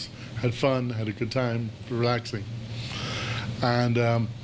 พวกฉันท่องิชาในโลกไทยอยู่ในเมืองล่วง